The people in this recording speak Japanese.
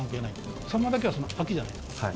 サンマだけは秋じゃない？